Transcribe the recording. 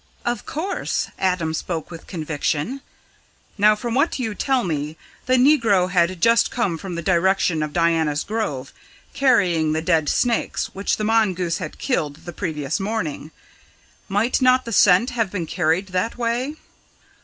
"Of course!" Adam spoke with conviction. "Now, from what you tell me, the negro had just come from the direction of Diana's Grove, carrying the dead snakes which the mongoose had killed the previous morning. Might not the scent have been carried that way?"